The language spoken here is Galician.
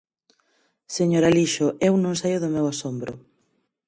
Señor Alixo, eu non saio do meu asombro.